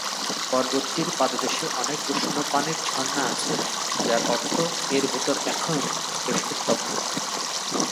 পর্বতটির পাদদেশে অনেক উষ্ম পানির ঝর্ণা আছে, যার অর্থ এর ভেতর এখনও বেশ উত্তপ্ত।